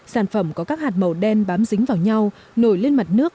sản phẩm có các hạt màu đen bám dính vào nhau nổi lên mặt nước